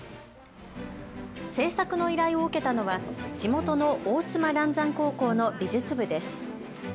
制作の依頼を受けたのは地元の大妻嵐山高校の美術部です。